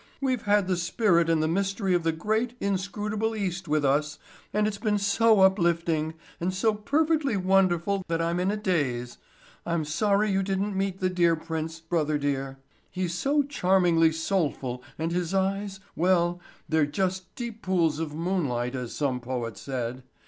"We've had the spirit and the mystery of the great, inscrutable East with us and it's been so uplifting and so perfectly wonderful that I'm in a daze. I'm sorry you didn't meet the dear prince, brother dear. He's so charmingly soulful and his eyes—well, they're just deep pools of moonlight as some poet said.